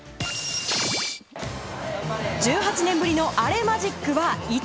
１８年ぶりのアレマジックは１。